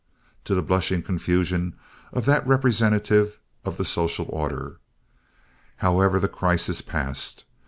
to the blushing confusion of that representative of the social order. However, that crisis passed.